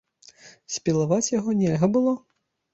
Спілаваць яго нельга было.